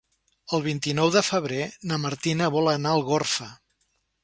El vint-i-nou de febrer na Martina vol anar a Algorfa.